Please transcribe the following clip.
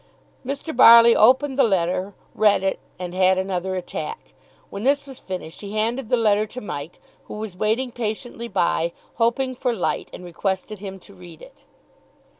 Mr. Barley opened the letter, read it, and had another attack; when this was finished he handed the letter to Mike, who was waiting patiently by, hoping for light, and requested him to read it.